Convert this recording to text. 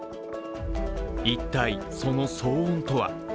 一体、その騒音とは？